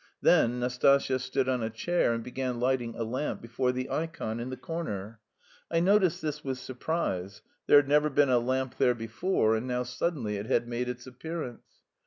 Then Nastasya stood on a chair and began lighting a lamp before the ikon in the corner. I noticed this with surprise; there had never been a lamp there before and now suddenly it had made its appearance.